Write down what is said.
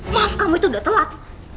maaf kamu itu udah telat